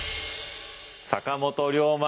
坂本龍馬。